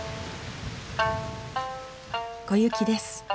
小雪です。